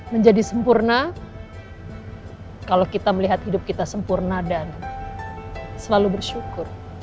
menjadi sempurna kalau kita melihat hidup kita sempurna dan selalu bersyukur